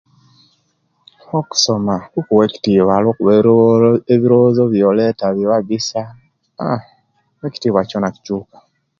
Okusoma kuwa ekitiwa lwakuba ebirobozo byoleta biba bisa a ekitiwa kyona kituka